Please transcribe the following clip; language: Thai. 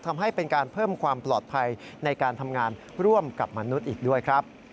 ทำให้เป็นการเพิ่มความปลอดภัยในการทำงานร่วมกับมนุษย์อีกด้วยครับ